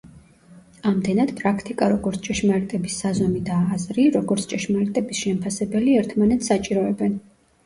ამდენად, პრაქტიკა, როგორც ჭეშმარიტების საზომი და აზრი, როგორც ჭეშმარიტების შემფასებელი, ერთმანეთს საჭიროებენ.